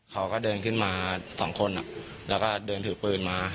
เขาก็เดินขึ้นมาสองคนแล้วก็เดินถือปืนมา